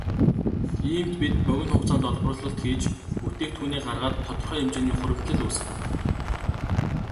Иймд бид богино хугацаанд олборлолт хийж бүтээгдэхүүнээ гаргаад тодорхой хэмжээний хуримтлал үүсгэнэ.